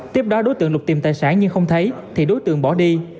tiếp đó đối tượng lục tìm tài sản nhưng không thấy thì đối tượng bỏ đi